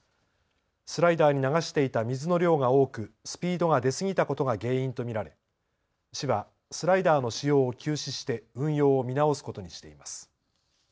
スライダーに流していた水の量が多くスピードが出すぎたことが原因と見られ市はスライダーの使用を休止して運用を見直すことにしています。